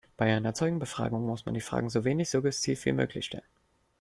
Bei einer Zeugenbefragung muss man die Fragen so wenig suggestiv wie möglich stellen.